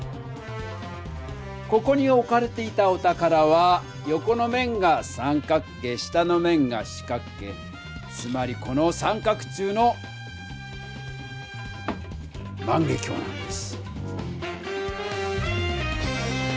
ここにおかれていたお宝は横の面が三角形下の面が四角形つまりこの三角柱の万華鏡なんです！